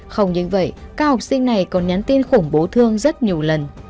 không những vậy các học sinh này còn nhắn tin khủng bố thương rất nhiều lần